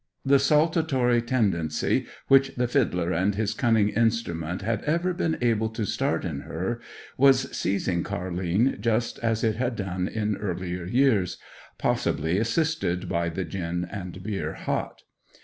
The saltatory tendency which the fiddler and his cunning instrument had ever been able to start in her was seizing Car'line just as it had done in earlier years, possibly assisted by the gin and beer hot.